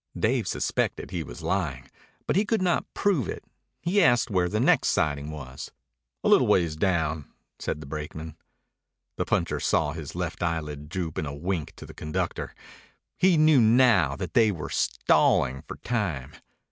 Dave suspected he was lying, but he could not prove it. He asked where the next siding was. "A little ways down," said a brakeman. The puncher saw his left eyelid droop in a wink to the conductor. He knew now that they were "stalling" for time.